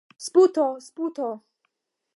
Sputo! Sputo!